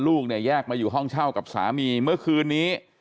ลูกเนี่ยแยกมาอยู่ห้องเช่ากับสามีเมื่อคืนนี้